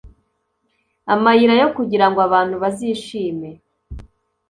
amayira yo kugira ngo abantu bazishime